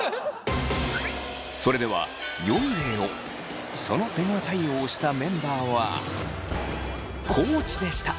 それではその電話対応をしたメンバーは地でした。